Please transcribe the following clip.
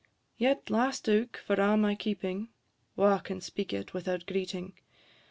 Yet last ouk, for a' my keeping, (Wha can speak it without greeting?)